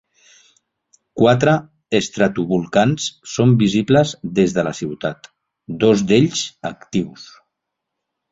Quatre estratovolcans són visibles des de la ciutat, dos d'ells actius.